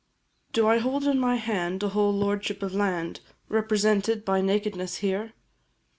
Do I hold in my hand a whole lordship of land, Represented by nakedness, here?